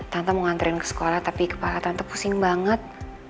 tante mau nganterin ke sekolah tapi kepala tante pusing banget